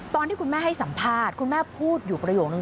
ตอนที่คุณแม่ให้สัมภาษณ์คุณแม่พูดอยู่ประโยคนึง